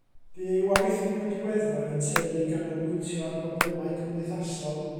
Bu ei waith mwy diweddar yn tueddu i ganolbwyntio ar broblemau cymdeithasol.